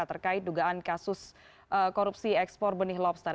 terkait dugaan kasus korupsi ekspor benih lobster